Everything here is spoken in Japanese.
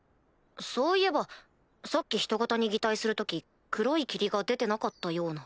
そういえばさっき人型に擬態する時黒い霧が出てなかったような。